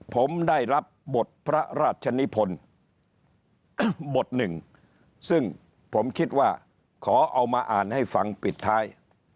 ผมได้รับบทพระราชนิพลบทหนึ่งซึ่งผมคิดว่าขอเอามาอ่านให้ฟังปิดท้าย